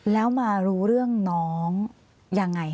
แล้วมารู้เรื่องน้องยังไง